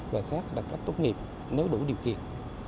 và xét đặt cách tốt nghiệp nếu đủ điều kiện